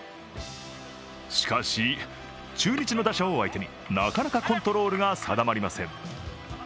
しかし、中日の打者を相手になかなかコントロールが定まりません。